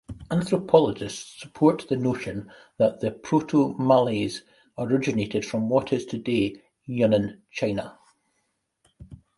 Anthropologists support the notion that the Proto-Malays originated from what is today Yunnan, China.